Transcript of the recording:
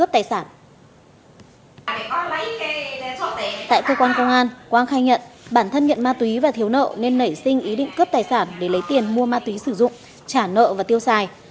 tại cơ quan công an quang khai nhận bản thân nhận ma túy và thiếu nợ nên nảy sinh ý định cướp tài sản để lấy tiền mua ma túy sử dụng trả nợ và tiêu xài